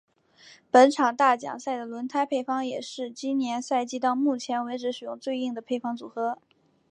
本场大奖赛的轮胎配方也是今年赛季到目前为止使用最硬的配方组合。